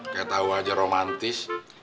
kayak tau aja romantis